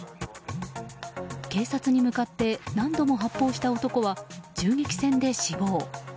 警察に向かって何度も発砲した男は銃撃戦で死亡。